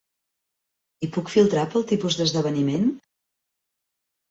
I puc filtrar pel tipus d'esdeveniment?